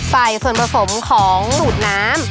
ใส่ส่วนผสมของสูตรน้ำ